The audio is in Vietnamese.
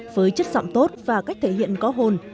với chất giọng tốt và cách thể hiện có hồn